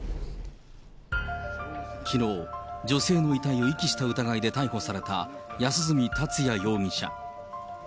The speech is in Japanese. きのう、女性の遺体を遺棄した疑いで逮捕された、安栖達也容疑者。